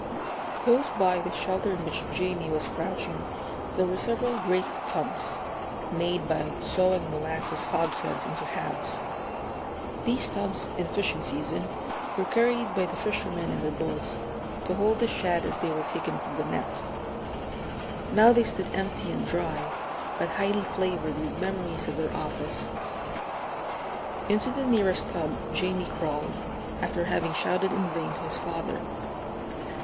Close by the shelter in which Jamie was crouching there were several great tubs, made by sawing molasses hogsheads into halves. These tubs, in fishing season, were carried by the fishermen in their boats, to hold the shad as they were taken from the net. Now they stood empty and dry, but highly flavored with memories of their office. Into the nearest tub Jamie crawled, after having shouted in vain to his father.